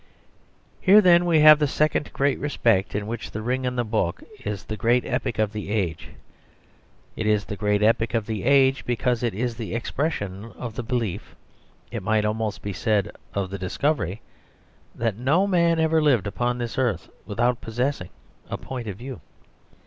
Here then we have the second great respect in which The Ring and the Book is the great epic of the age. It is the great epic of the age, because it is the expression of the belief, it might almost be said, of the discovery, that no man ever lived upon this earth without possessing a point of view.